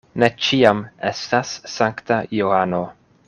Ne ĉiam estas sankta Johano.